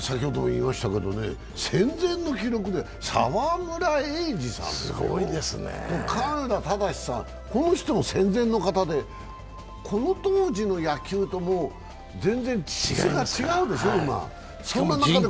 戦前の記録で沢村栄治さん、亀田忠さん、この人も戦前の方でこの当時の野球ともう全然質問が違うでしょ、今、そんな中で。